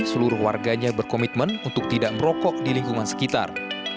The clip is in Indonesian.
seluruh warganya berkomitmen untuk tidak merokok di lingkungan sekitar